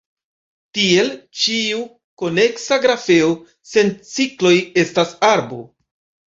Tiel, ĉiu koneksa grafeo sen cikloj estas arbo.